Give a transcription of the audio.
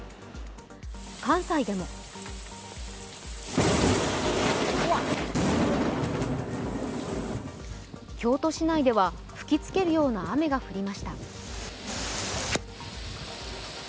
関西でも京都市内では吹きつけるような雨が降りました。